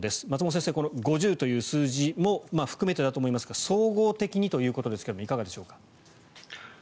松本先生、５０という数字も含めてだと思いますが総合的にということですがいかがでしょうか？